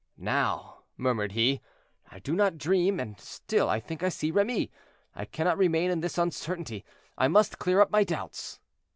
"Now," murmured he, "I do not dream, and still I think I see Remy. I cannot remain in this uncertainty; I must clear up my doubts."